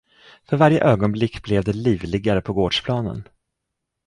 För varje ögonblick blev det livligare på gårdsplanen.